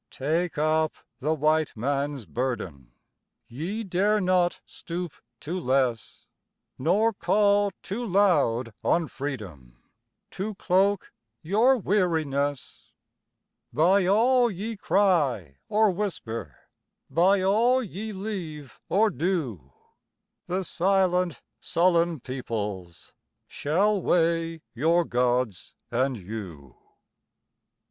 Take up the White Man's burden Ye dare not stoop to less Nor call too loud on Freedom To cloak your weariness; By all ye cry or whisper, By all ye leave or do, The silent, sullen peoples Shall weigh your Gods and you.